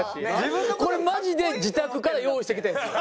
これマジで自宅から用意してきたやつよ。